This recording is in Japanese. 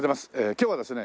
今日はですね